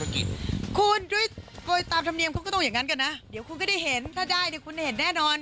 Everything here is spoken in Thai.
กำลังคุณก็ต้องอย่างงั้นกันนะเดี๋ยวคุณก็ได้เห็นถ้าได้เดี๋ยวคุณเห็นแน่นอน